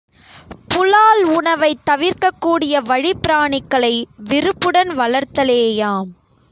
புலால் உணவைத் தவிர்க்கக் கூடிய வழிபிரான்னிகளை விருப்புடன் வளர்த்தலேயாம்.